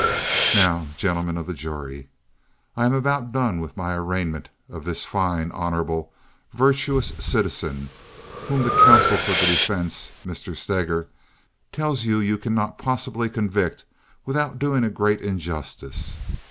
"Now, gentlemen of the jury, I am about done with my arraignment of this fine, honorable, virtuous citizen whom the counsel for the defense, Mr. Steger, tells you you cannot possibly convict without doing a great injustice.